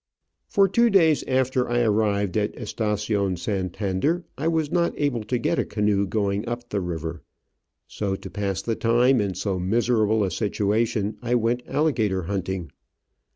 For two days after I arrived at Estacion San tander I was not able to get a canoe going up the river, so, to pass the time in so miserable a situation, I went alligator hunting.